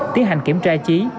tiến hành kiểm tra chí